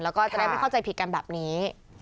แล้วก็จะได้ไม่เข้าใจผิดกันแบบนี้